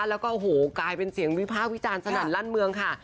แล้วก็โอ้โหกลายเป็นเสียงวิพากษ์วิจารณ์สนั่นลั่นเมืองค่ะ